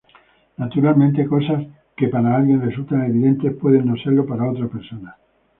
Naturalmente, cosas que para alguien resultan evidentes, pueden no serlo para otra persona.